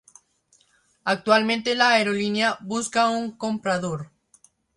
Actualmente la aerolínea Busca un comprador.